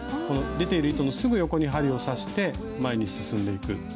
この出ている糸のすぐ横に針を刺して前に進んでいく。